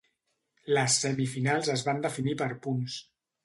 Les semifinals es van definir per punts.